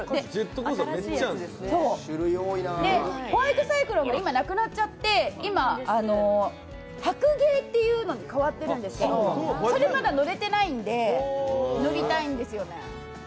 ホワイトサイクロンが今なくなっちゃって、今、白鯨というのに変わってるんですけどそれ、まだ乗れてないんで乗りたいんですよね。